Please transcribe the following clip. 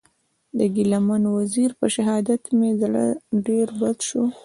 د ګیله من وزېر په شهادت مې زړه ډېر بد سو.